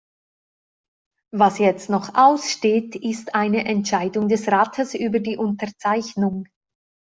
Was jetzt noch aussteht, ist eine Entscheidung des Rates über die Unterzeichnung.